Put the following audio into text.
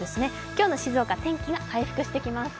今日の静岡、天気は回復してきます